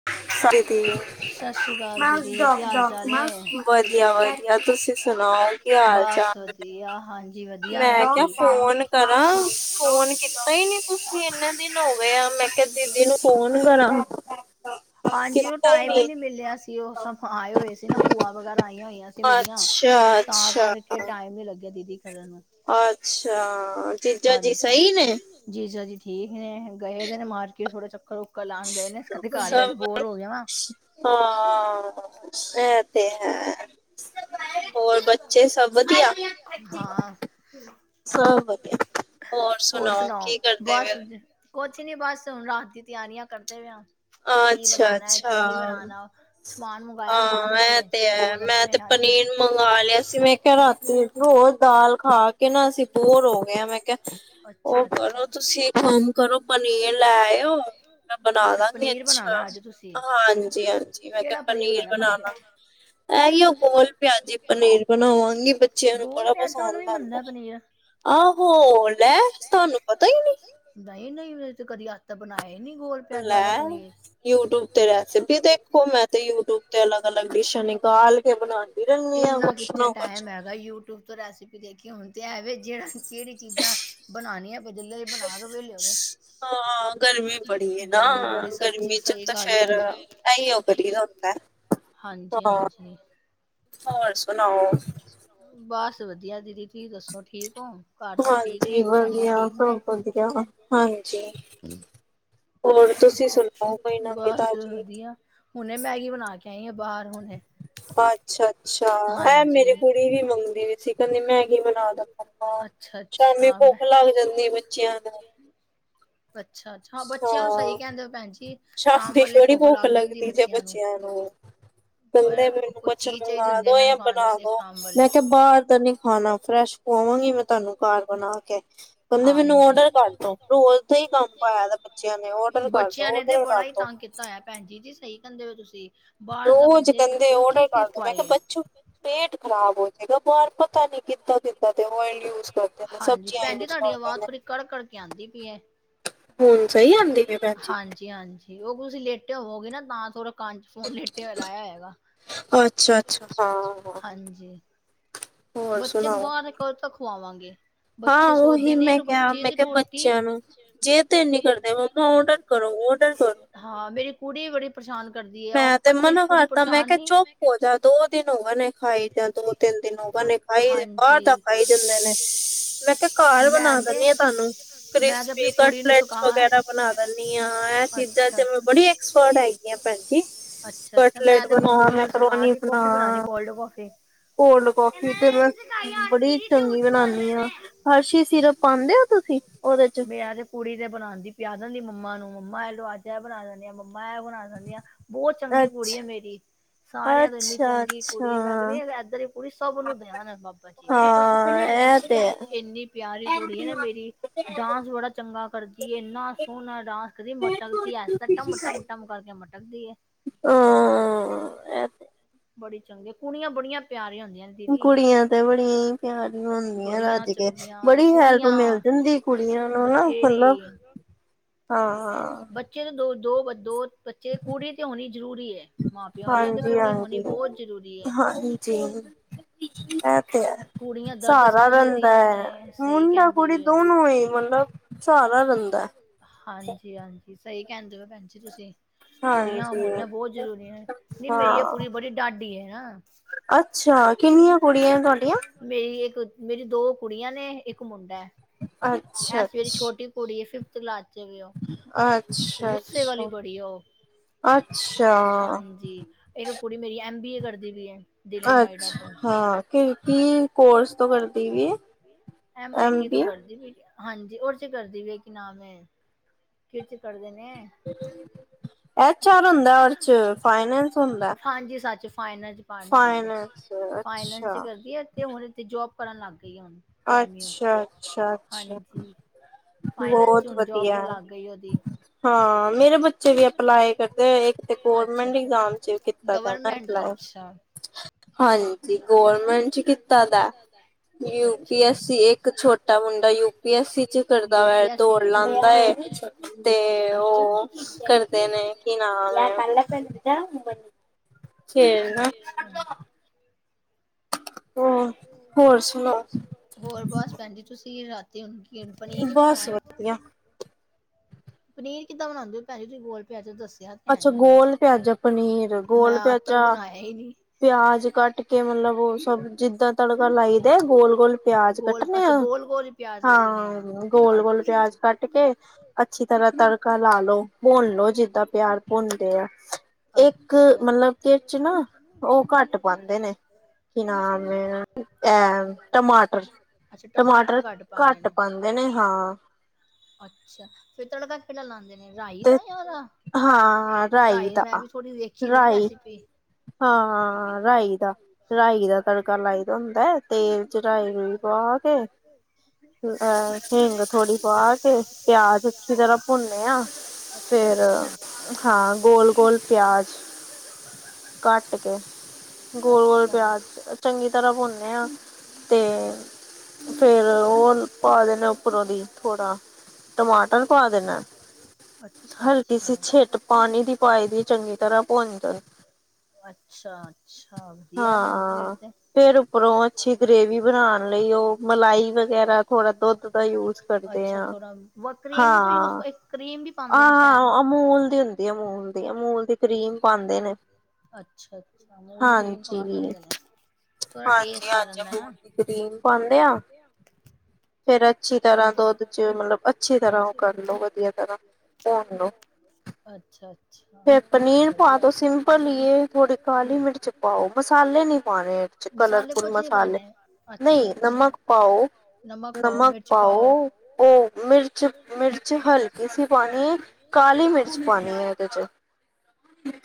[unintelligible] ਵਧੀਆ [unintelligible] ਯਾ ਤੁਸੀਂ ਸੁਣਾਓ ਕੀ ਹਾਲ ਚਾਲ ਏ? ਮੈਂ ਕਿਹਾ ਫੋਨ ਕਰਾਂ ਫੋਨ ਕੀਤਾ ਈ ਨੀ ਤੁਸੀ ਇਨੇ ਦਿਨ ਹੋਗਯੇ ਆ, ਮੈਂ ਕਿਹਾ ਦੀਦੀ ਨੂੰ ਫੋਨ ਕਰਾਂ। ਹਾਂਜੀ ਉਹ ਟਾਈਮ ਵੀ ਨਹੀਂ ਮਿਲਿਆ ਸੀ, ਓ ਸਬ ਆਏ ਹੋਏ ਸੀ ਨਾ ਭੂਆ ਵਗੈਰਾ ਆਈਆਂ ਹੋਈਆਂ ਸੀ ਮੇਰੀਆਂ। ਤਾਂ ਕਰਕੇ ਟਾਈਮ ਨੀ ਲੱਗਿਆ ਦੀਦੀ ਕਰਨ ਨੂੰ। ਅੱਛਾ ਜੀਜਾ ਜੀ ਸਈ ਨੇ? ਜੀਜਾ ਜੀ ਠੀਕ ਨੇ? ਗਏ ਦੇ ਨੇ ਮਾਰਕੀਟ ਥੋੜਾ ਚੱਕਰ- ਉੁੱਕਰ ਲਾਉਣ ਗਏ ਨੇ ਕਦੇ ਘਰ ਬੈ ਕੇ ਹੋਰ ਹੋ ਗਿਆ ਵਾ ਹਾਂ, ਐ ਤੇ ਹੈ। ਹਾਂ। ਹੋਰ ਸੁਣਾਓ, ਬਸ ਕੁਛ ਨੀ ਬਸ, ਹੁਨ ਰਾਤ ਦੀ ਤਿਆਰੀਆਂ ਕਰਦੇ ਆ। ਕੀ ਬਣਾਨਾ ਹੈ, ਕੀ ਨਹੀਂ ਬਣਾਨਾ, ਸਮਾਨ ਮੰਗਵਾਇਆ ਖਾਨ ਵਾਸਤੇ ਗੋਲ ਮੈਂ ਤੇ ਪਨੀਰ ਮੰਗਾ ਲਿਆ ਸੀ [unintelligible] ਰੋਜ ਦਾਲ ਖਾ ਕੇ ਅਸੀ ਬੋਰ ਹੋ ਗਏ ਆਂ। ਅੱਛਾ-ਅੱਛਾ, ਅੱਛਾ। ਅੱਛਾ, ਹਾਂਜੀ-ਹਾਂਜੀ ਮੈਂ ਕਿਹਾ ਪਨੀਰ ਬਨਾ ਲਾਂ। ਏਈਓ ਗੋਲ ਪਿਆਜੀ ਪਨੀਰ ਬਨਾਵਾਂਗੀ ਬੱਚਿਆਂ ਨੂੰ ਬੜਾ ਪਸੰਦ ਆਂਦਾ ਐ। ਆਹੋ ਲੈ ਤੁਹਾਨੂੰ ਪਤਾ ਈ ਨੀ! ਨਹੀਂ, ਨਹੀਂ ਉਹ ਤੇ ਕਦੀ ਅੱਥ ਬਣਾਇਆ ਹੀ ਨਹੀਂ ਗੋਲ ਲੈ ਯੂਟਿਊਬ ਤੇ ਰੈਸਿਪੀ ਦੇਖੋ। ਮੈਂ ਤੇ ਯੂਟਿਊਬ ਤੇ ਅਲੱਗ, ਅਲੱਗ ਡਿਸ਼ਾਂ ਨੇ [inaudible] ਯੂਟਿਊਬ ਤੋਂ ਰੈਸਪੀ ਦੇਖੀ ਹੋਣ ਤੇ ਹੈਵੇ ਜਿਹੜਾ ਜਿਹੜੀ ਚੀਜ਼ਾਂ ਬਣਾਨੀਆਂ [inaudible] ਗਰਮੀ ਬੜੀ ਸੱਚ ਸਹੀ ਗੱਲ ਕਹਿੰਦੇ ਹਾਂਜੀ, ਹਾਂਜੀ। ਹੋਰ ਸੁਣਾਓ? ਬਸ ਵਧੀਆ ਦੀਦੀ। ਤੁਸੀਂ ਦੱਸੋ ਠੀਕ ਓ? ਘਰ ਸਭ ਠੀਕ ਨੇ ਭੈਣਾਂ ਠੀਕ ਨੇ? ਬਸ ਵਧੀਆ ਹੁਣੇ ਮੈਗੀ ਬਣਾ ਕੇ ਆਈ ਆ ਬਾਹਰ ਹੁਣੇ। ਅੱਛਾ, ਅੱਛਾ ਇਹ ਮੇਰੀ ਕੁੜੀ ਵੀ ਮੰਗਦੀ ਵੀ ਸੀ ਕਹਿੰਦੀ ਮੈਂਗੀ ਬਨਾ ਦੋ। ਹਾਂ ਸ਼ਾਮੀ ਭੁੱਖ ਲੱਗ ਜਾਂਦੀ ਬੱਚਿਆਂ ਨੂੰ ਅੱਛਾ‌, ਅੱਛਾ ਹਾਂ ਬੱਚਿਆਂ ਨੂੰ ਸਹੀ ਕਹਿੰਦੇ ਹੋ ਭੈਣ ਜੀ। ਛਫ ਦੀ ਥੋੜੀ ਭੁੱਖ ਲੱਗਦੀ ਜੇ ਬੱਚਿਆਂ ਨੂੰ ਕਹਿੰਦੇ ਮੈਨੂੰ ਕੁਛ ਮੰਗਵਾ ਦੋ ਜਾਂ ਬਣਾ ਦੋ, ਮੈਂ ਕਿਹਾ ਬਾਹਰ ਦਾ ਨੀ ਖਾਣਾ ਫਰੈਸ਼ ਖਵਾਂਗੀ ਮੈਂ ਤੁਹਾਨੂੰ ਘਰ ਬਣਾ ਕੇ ਕਹਿੰਦੇ, ਮੈਨੂੰ ਔਡਰ ਕਰਦੋ ਰੋਜ਼ ਦੇ ਹੀ ਕੰਮ ਪਾਇਆ ਦਾ ਬੱਚਿਆਂ ਨੇ ਔਡਰ ਕਰਦੋ ਬੜਾ ਹੀ ਤੰਗ ਕੀਤਾ ਹੋਇਆ ਪੈਣ ਜੀ। ਸਹੀ ਕਹਿੰਦੇ ਹੋ ਤੁਸੀ ਰੋਜ਼ ਕਿਹਦੇਂ ਔਡਰ ਕਰਦੋ ਮੈਂ ਕਿਹਾ ਬਚੂ ਪੇਟ ਖ਼ਰਾਬ ਹੋ ਜਾਏਗਾ। ਬਾਹਰ ਪਤਾ ਨੀ ਕਿੱਦਾਂ, ਕਿੱਦਾਂ ਦੇ ਓਇਲ ਯੂਜ ਹਾਂਜੀ ਭੈਣ ਜ ਤੁਹਾਡੀ ਆਵਾਜ਼ ਥੋੜੀ ਕੜ, ਕੜ ਕੇ ਆਂਦੀ ਪਈ ੲ ਹੁਨ ਸਹੀ ਆਉਂਦੇ ਪਈ ਭੈਣ ਹਾਂਜੀ, ਹਾਂਜੀ ਉਹ ਤੁਸੀਂ ਲੇਟੇ ਹੋਵੋਗੇ ਨਾ ਤਾਂ ਥੋੜ੍ਹਾ ਚ ਫੋਨ ਲੇਟਿਆ ਲਾਇਆ ਹੋਗਾ। ਹਾਂਜੀ ਬੱਚੇ ਨੂੰ ਬਾਹਰ ਕਦੋਂ ਤ ਖਵਾਵਾਂਗੇ? ਹਾਂ ਉਹੀ ਮੈਂ ਕਿਹਾ ਮੈਂ ਕਿਹਾ ਬੱਚਿਆਂ ਨੂੰ ਜੇ ਤੇ ਇਨੀ ਕਰਦੇ ਮੰਮਾ ਉਹ ਕਰੋ ਔਰਡਰ ਕਰੋ। ਹਾਂ ਮੇਰੀ ਕੁੜੀ ਵੀ ਬੜੀ ਪਰੇਸ਼ਾਨ ਕਰਦੀ ਆ। ਪਰ ਮੇਰੀ ਕੁੜੀ ਪਰੇਸ਼ਾਨ ਨਹੀਂ ਦੋ ਦਿਨ ਹੋ ਗ ਨੇ ਖਾਈ ਜਾਂ ਦੋ ਤਿੰਨ ਦਿਨ ਹੋਗੇ ਨੇ ਖਾਈ ਬਾਹਰ ਦਾ ਖਾਈ ਜਾਦੇ ਨੇ। ਮੈਂ ਕਿਹਾ ਘਰ ਬਣਾ ਦਿੰਦੀ ਆ ਤੁਹਾਨੂੰ ਕ੍ਰਿਸਪੀ ਕਟਲੇਟ ਵਗੈਰਾ ਬਣਾ ਦਿੰਦੀ ਹਾਂ। ਇਹ ਚੀਜ਼ਾਂ ਚ ਮੈਂ ਬੜੀ ਐਕਸਪਰਟ ਹੈਗੀ ਆ। ਭੈਜੀ ਕਟਲੇਟ ਬਣਾਵ, ਮੈਕੋਨੀ ਬਣਾ ਕੋਲਡ ਕੋਫੀ। ਕੋਲਡ ਕੌਫੀ ਤੇ ਮੈਂ ਬੜੀ ਚੰਗੀ ਬਣਾਨੀ ਆ। ਹਰਸ਼ੀ ਸਿਰਪ ਪਾਉਂਦੇ ਹੋ ਤੁਸੀਂ ਓਦੇ ਚ? ਕੁੜੀ ਤੇ ਬਣਾਉਣ ਦੀ ਪਿਆ ਦਿੰਦੀ ਮੰਮਾ ਨੂੰ ਮੰਮਾ ਇਹ ਲੋ ਇਹ ਬਣਾ ਦਿੰਦੀ ਮੰਮਾ ਇਹ ਬਣਾ ਦਿੰਦੀ। ਬਹੁਤ ਚੰਗੀ ਕੁੜੀ ਐ, ਮੇਰੀ ਸਾਰਿਆਂ ਤੋਂ ਇੰਨੀ ਚੰਗੀ ਕੁੜੀ ਐ ਮੈਂ ਕਹਿੰਦੀ ਇੱਧਰ ਹੀ ਉਹ ਵੀ ਸਭ ਨੂੰ ਦੇਣ ਬਾਬਾ ਜੀ। ਐ ਤੇ ਹੈ। ਇੰਨੀ ਪਿਆਰੀ ਕੁੜੀ ਐ ਨਾ ਮੇਰੀ ਡਾਂਸ ਬੜਾ ਚੰਗਾ ਕਰਦੀਏ ਇੰਨਾ ਸੋਹਣਾ ਡਾਂਸ ਕਰਦੀ ਮਟਦੀਟਾ, ਮੋਟਾ ਮਟਾ ਕਰਕੇ ਮਟਕਦੀ ਏ [inaudible] ਬੜੀ ਚੰਗੀ ਕੁੜੀਆਂ ਬੜੀਆਂ ਪਿਆਰੀ ਹੁੰਦੀਆਂ ਨੇ। ਦੀਦੀ ਬੜੀਆਂ ਚੰਗੀਆਂ ਸੋਨੀਆਂ ਬਥੇਰੀ ਹਾਂ, ਹਾਂ ਬੱਚੇ ਦੋ, ਦੋ, ਦੋ ਜੇ ਕੁੜੀ ਤਾਂ ਹੋਣੀ ਜ਼ਰੂਰੀ ਐ। ਮਾਂ-ਪਿਓ ਲਈ ਤਾਂ ਕੁੜੀ ਹੋਣੀ ਬਹੁਤ ਜ਼ਰੂਰੀ ਐ। [unintelligible] ਸਹਾਰਾ ਰਹਿੰਦਾ ਮੁੰਡਾ ਕੁੜੀ ਦੋਨੋ ਹੀ ਮਤਲਬ ਸਹਾਰਾ ਰਹਿੰਦਾ ਹਾਂਜੀ-ਹਾਂਜੀ, ਸਹੀ ਕਹਿੰਦੇ ਓ ਭੈਣ ਜੀ ਤੁਸੀਂ। ਕੁੜੀਆਂ ਹੋਣੀਆਂ ਬਹੁਤ ਜ਼ਰੂਰੀ ਨੇ ਨਹੀਂ ਮੇਰੀਆਂ ਕੁੜੀ ਬੜੀ ਡਾਡੀ ਐ ਨਾ। ਅੱਛਾ, ਕਿੰਨੀਆਂ ਕੁੜੀਆਂ ਤੁਹਾਡੇ ਮੇਰੀ ਇੱਕ ਮੇਰੀ ਦੋ ਕੁੜੀਆਂ ਨੇ ਇੱਕ ਮੁੰਡਾ ਐ ਸਵੇਰੀ ਛੋਟੀ। ਕੁੜੀ ਫਿਫਥ ਕਲਾਸ ਚ ਵੀ ਉਹ ਗੁੱਸੇ ਵਾਲੀ ਬੜੀ ਆ ਓ ਹਾਂਜੀ, ਇੱਕ ਕੁੜੀ ਮੇਰੀ ਐਮ ਬੀ ਏ ਕਰਦੀ ਪਈ ਐ। ਅੱਛਾ ਹਾਂ। ਕੀ-ਕੀ, ਕੋਰਸ ਤੋਂ ਕਰਦੀ ਪਈ ਏ ਐਮ ਬੀ ਏ। [unintelligible] ਹਾਂਜੀ, ਉਹ ਚ ਕਰਦੀ ਪਈ ਐ ਕੀ ਨਾਮ ਐ ਕੀ ਚ ਕਰਦੇ ਨੇ। [unintelligible] ਹਾਂਜੀ, ਸੱਚ ਫਾਈਨਸ ਡਿਪਾਰਟਮੈਂਟ ਚ ਫਾਈਨੈਂਸ ਕਰਦੀ ਆ ਤੇ ਹੁਣ ਇਥੇ ਜੋਬ ਕਰਨ ਲੱਗ ਗਈ ਆ ਹੁਣ। ਹਾਂਜੀ। ਫਾਈਨਸ ਚ ਹੁਣ ਜੋਬ ਲੱਗ ਗਈ ਉਹਦੀ। ਹਾਂ, ਮੇਰੇ ਬੱਚੇ ਵੀ ਅਪਲਾਈ ਕਰਦੇ ਇੱਕ ਤੇ ਗਰਮੈਂਟ ਇਗਜ਼ਾਮ ਚ [unintelligible] ਹਾਂਜੀ ਗਰਮੈਂਟ ਚ ਕੀਤਾ ਦਾ। [unintelligible] ਯੂ ਪੀ ਐਸੀ, ਇੱਕ ਛੋਟਾ ਮੁੰਡਾ ਯੂਪੀ ਐਸੀ ਚ ਕਰਦਾ ਵਾ ਦੌੜ ਲਾਂਦਾ। ਤੇ ਉਹ ਕਰਦੇ ਨੇ ਕਿ ਨਾਮ ਐ। ਅੱਛਾ-ਅੱਛਾ। ਹੋਰ ਬਸ ਭੈਣ ਜੀ ਤੁਸੀਂ ਰਾਤੀ। ਪਨੀਰੀ ਬਣਾਣਾ? ਪਨੀਰ ਕਿੱਦਾਂ ਬਣਾਂਦੇ ਓ ਭੈਣ ਜੀ ਤੁਸੀਂ [unintelligible] ਅੱਛਾ ਗੋਲ ਪਿਆਜਾ ਪਨੀਰ ਗੋਲ ਪਿਆਜ਼ਾ ਪਿਆਜ ਕੱਟ ਕੇ ਮਤਲਬ ਉਹ ਸਭ ਜਿੱਦਾਂ ਤੜਕਾ ਲਾਈ ਦੇ ਗੋਲ ਗੋਲ ਪਿਆਜ ਕੱਟਣੇ ਆ। ਹਾਂ, ਗੋਲ ਗੋਲ ਪਿਆਜ ਕੱਟ ਕੇ ਅੱਛੀ ਤਰ੍ਹਾਂ ਤੜਕਾ ਲਾਲੋ ਭੁਨ ਲੋ ਜਿੱਦਾਂ ਪਿਆਜ ਭੁੰਨਦੇ ਆ। ਅੱਛਾ [unintelligible] ਕੀ ਨਾਮ ਐ ਐ ਟਮਾਟਰ ਟਮਾਟਰ ਘੱਟ ਪਾਂਦੇ ਨੇ ਹਾਂ। ਅੱਛਾ, ਫਿਰ ਤੜਕਾ ਕਿਹੜਾ ਲਾਂਦੇ ਨੇ ਰਾਹੀ [unintelligible] ਹਾਂ, ਰਾਈ ਦਾ ਰਾਈ। ਹਾਂ- ਹਾਂ ਰਾਈ ਦਾ, ਰਾਈ ਦਾ ਤੜਕਾ ਲਾਈ ਦਾ ਹੁੰਦਾ ਹੈ ਤੇਲ ਚ ਰਾਈ ਰਈ ਬਾ। ਅਹ ਹਿੰਗ ਥੋੜੀ ਪਾਆ ਕੇ ਪਿਆਜ ਅੱਛੀ ਤਰ੍ਹਾਂ ਭੁੰਨੇ ਆਂ। ਫਿਰ, ਹਾਂ ਗੋਲ ਗੋਲ ਪਿਆਜ਼ ਘੱਟ ਕੇ ਗੋਲ ਗੋਲ ਪਿਆਜ ਚੰਗੀ ਤਰ੍ਹਾਂ ਪੁੰਨ ਆ। ਤੇ ਫੇਰ ਉਹ ਪਾ ਦੇਣੇ ਉੱਪਰੋਂ ਦੀ ਥੋੜਾ। ਟਮਾਟਰ ਖਵਾ ਦੇਣਾ। ਅੱਛਾ-ਅੱਛਾ, [unintelligible] ਅੱਛਾ-ਅੱਛਾ, ਵਧੀਆ ਐ ਭੈਣ ਜੀ ਫੇਰ ਤੇ। ਫੇਰ ਉੱਪਰੋਂ ਅੱਛੀ ਗ੍ਰੇਵੀ ਬਣਾਣ ਲਈ ਉਹ ਮਲਾਈ ਵਗੈਰਾ ਥੋੜਾ ਦੁੱਧ ਦਾ ਯੂਜ ਕਰਦੇ ਹਾਂ। ਹਾਂ, ਆ ਅਮੂਲ ਦੀ ਹੁੰਦੀ ਅਮੂਲ ਦੀ ਅਮੂਲ ਦੀ ਕਰੀਮ ਪਾਂਦੇ ਨੇ। ਅੱਛਾ ਅੱਛਾ, ਅਮੂਲ ਦੀ ਕਰੀਮ ਪਾ ਸਕਦੇ ਨੇ ਥੋੜਾ ਟੇਸਟ ਆ ਜਾਂਦਾ ਨਾ। ਕਰੀਮ ਪਾਉਂਦੇ ਆ। ਫਿਰ ਅੱਛੀ ਤਰ੍ਹਾਂ ਦੁੱਧ ਚ ਮਤਲਬ ਅੱਛੀ ਤਰ੍ਹਾਂ ਉਹ ਕਰ ਲਓ ਵਧੀਆ ਤਰ੍ਹਾਂ ਭੁੰਣ ਲਓ ਅੱਛਾ -ਅੱਛਾ ਵਧੀਆ ਹਰੀ ਮਿਰਚ ਪਾਓ ਮਸਾਲੇ ਨੀ ਪਾਣੇ ਇਹਦੇ ਚ। ਕਲਰਫੁਲ ਮਸਾਲੇ, ਨਹੀਂ ਨਮਕ ਪਾਓ ਪਾਓ ਉਹ ਮਿਰਚ, ਮਿਰਚ ਹਲਕੀ ਸੀ ਪਾਣੀ ਕਾਲੀ ਮਿਰਚ ਪਾਣੀ ਹੈ ਉਹਦੇ ਚ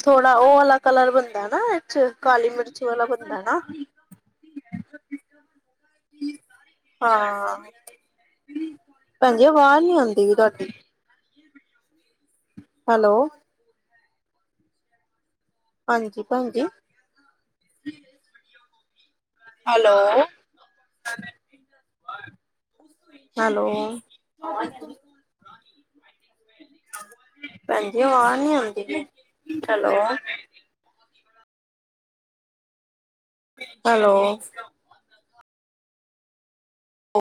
ਥੋੜਾ ਉਹ ਵਾਲਾ ਕਲਰ ਬਣਦਾ ਹੈ ਨਾ ਇਹ ਚ ਕਾਲੀ ਮਿਰਚੀ ਵਾਲਾ ਬੰਦਾ ਹੈ ਠਕ [inaudible] ਹਾਂ, ਭੈਜੀ ਆਵਾਜ਼ ਨੀ ਆਉਂਦੀ ਵੀ ਤੁਹਾਡੀ ਹੈਲੋ ਹਾਂਜੀ ਭੈਂਜੀ ਹੈਲੋ ਹੈਲੋ ਭੈਜੀ ਆਵਾਜ਼ ਨੀ ਆਉਂਦੀ, ਹੈਲੋ। ਹੈਲੋ। ਅ।